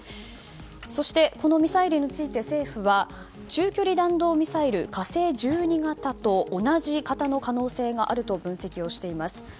そして、このミサイルについて政府は中距離弾道ミサイルの「火星１２」型と同じ型の可能性があると分析をしています。